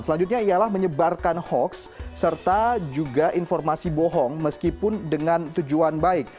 selanjutnya ialah menyebarkan hoaks serta juga informasi bohong meskipun dengan tujuan baik